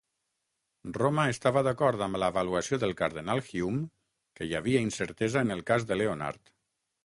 Roma estava d'acord amb l'avaluació del Cardenal Hume que hi havia incertesa en el cas de Leonard.